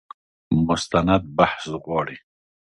مستند بحث غواړي.